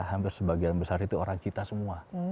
hampir sebagian besar itu orang kita semua